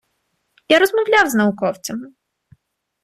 Я розмовляв з науковцями.